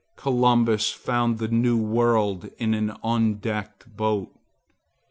Columbus found the New World in an undecked boat.